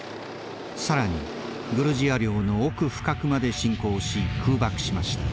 更にグルジア領の奥深くまで侵攻し空爆しました。